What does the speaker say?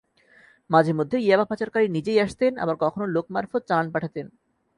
মাঝেমধ্যে ইয়াবা পাচারকারী নিজেই আসতেন, আবার কখনো লোক মারফত চালান পাঠাতেন।